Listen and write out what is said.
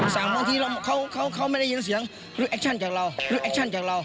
สั่งบางทีเขาไม่ได้ยินเสียงเรียกแอคชั่นจากเรา